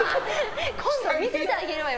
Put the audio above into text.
今度見せてあげるわよ